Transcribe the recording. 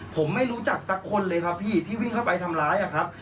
ผมไม่รู้จักสักคนเลยครับพี่ที่วิ่งเข้าไปทำร้ายอะครับ